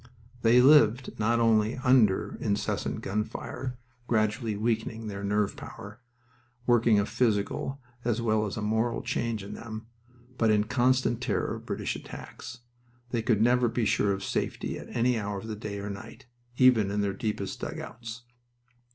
They lived not only under incessant gun fire, gradually weakening their nerve power, working a physical as well as a moral change in them, but in constant terror of British attacks. They could never be sure of safety at any hour of the day or night, even in their deepest dugouts.